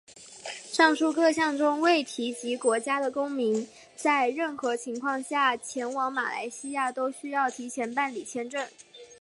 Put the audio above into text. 上述各项中未提及国家的公民在任何情况下前往马来西亚都需要提前办理签证。